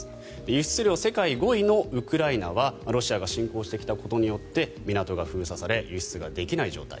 輸出量世界５位のウクライナはロシアが侵攻してきたことによって港が封鎖されて輸出ができない状態。